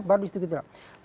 baru di situ kita lihat